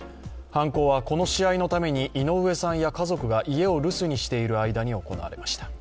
犯行はこの試合のために井上さんや家族が家を留守にしている間に行われました。